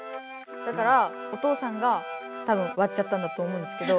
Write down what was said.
だからお父さんがたぶんわっちゃったんだと思うんですけど。